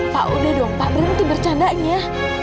pak udah dong pak berhenti bercandanya